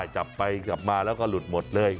จับไปกลับมาแล้วก็หลุดหมดเลย